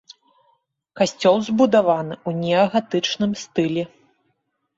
Касцёл збудаваны ў неагатычным стылі.